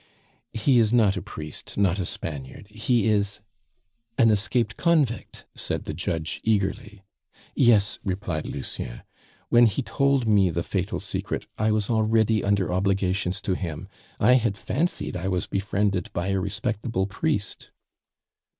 "He is not a priest, not a Spaniard, he is " "An escaped convict?" said the judge eagerly. "Yes," replied Lucien, "when he told me the fatal secret, I was already under obligations to him; I had fancied I was befriended by a respectable priest."